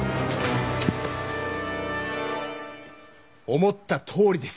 思ったとおりです。